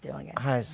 はい。